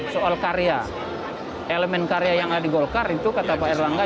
soal karya elemen karya yang ada di golkar itu kata pak erlangga